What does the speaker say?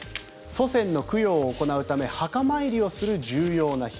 祖先の供養を行うため墓参りをする重要な日。